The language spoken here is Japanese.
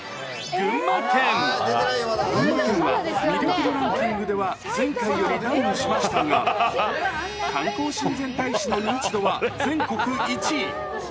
群馬県は魅力度ランキングでは前回よりダウンしましたが、観光親善大使の認知度は全国１位。